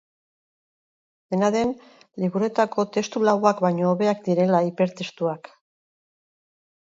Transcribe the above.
Dena den, liburuetako testu lauak baino hobeak direla hipertestuak.